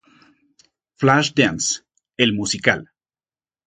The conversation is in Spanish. Flashdance el musical